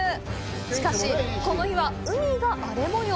しかし、この日は、海が荒れ模様。